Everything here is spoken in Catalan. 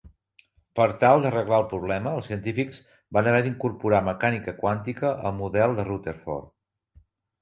Per tal d'arreglar el problema, els científics van haver d'incorporar mecànica quàntica al model de Rutherford.